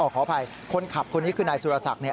ขออภัยคนขับคนนี้คือนายสุรศักดิ์